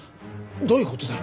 どういう事だ？